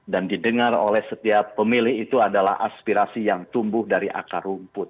dan didengar oleh setiap pemilih itu adalah aspirasi yang tumbuh dari akar rumput